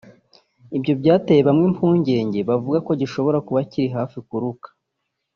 Ibyo byateye bamwe impungenge bavuga ko gishobora kuba kiri hafi kuruka